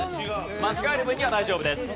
間違える分には大丈夫です。